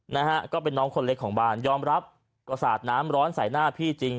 นะฮะก็เป็นน้องคนเล็กของบ้านยอมรับก็สาดน้ำร้อนใส่หน้าพี่จริง